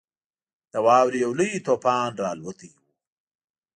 د واورې یو لوی طوفان راالوتی وو.